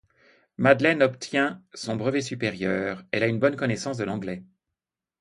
Madeleine obtient son brevet supérieur, elle a une bonne connaissance de l’anglais.